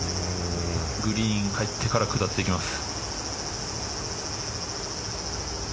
グリーン入ってから下っていきます。